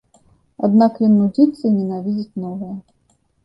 Аднак ён нудзіцца і ненавідзіць новае.